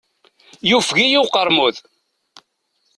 Yufeg-iyi uqermud.